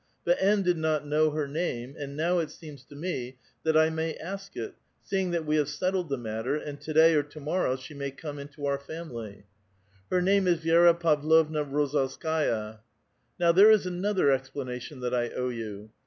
But N. did not know her name, and now it seems to me that I may ask it, seeing that we have settled the matter, and to day or to morrow she may come into our faniilv." '" Her name is Vi^Ta Pavlovna Rozalskai'a." " Now there is another explanation that I owe you.